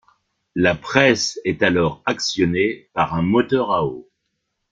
La presse est alors actionnée par un moteur à eau.